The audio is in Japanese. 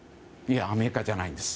アメリカじゃないんです。